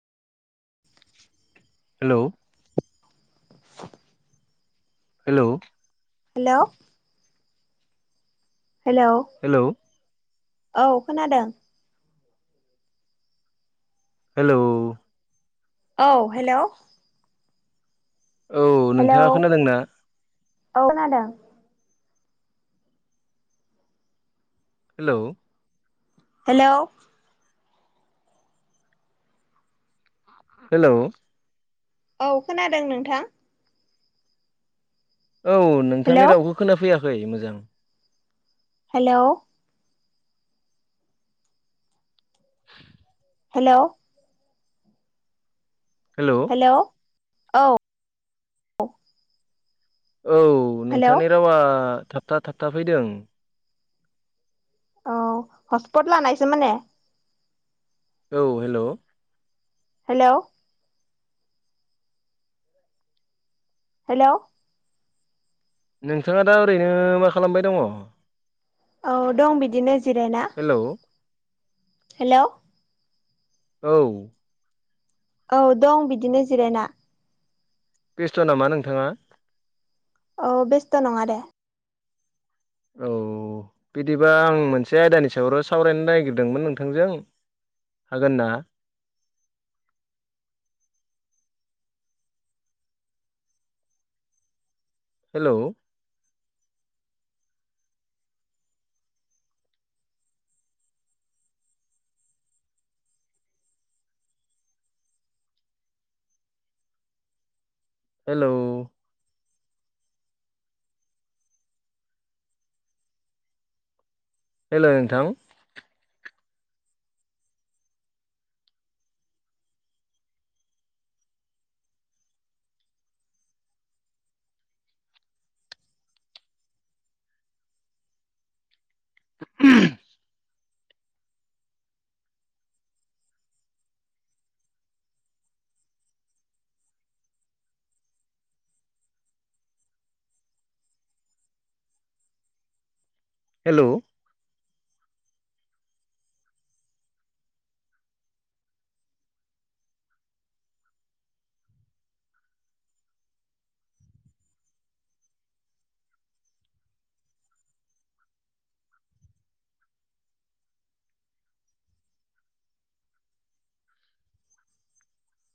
Hello. Hello. Hello. Hello. Hello. औ खोनादों। Hello. औ हेलौ। औ हेलौ नोंथाङा औ खोनादोंना खोनादों। हेलौ हेलौ हेलौ औ खोनादों नोंथां। औ हेलौ नोंथांनि रावखौ खोनाफैयाखै मोजां हेलौ [inaudible] हेलौ हेलौ हेलौ औ औ हेलौ नोंथांनि रावा थाबथा थाबथा फैदों औ हसपट लानायसो माने औ हेलौ हेलौ हेलौ नोंथाङा दा ओरैनो मा खालामबाय दङ? औ दं बिदिनो जिरायना। हेलौ हेलौ औ औ दं बिदिनो जिरायना। बेस्ट' नामा नोंथाङा? औ बेस्थ' नङा दे। औ बिदिबा आं मोनसे आयदानि सायावर' सावरायनो नागिरदोंमोन नोंथांजों हागोन ना? हेलौ हेलौ हेलै नोंथां उम हेलौ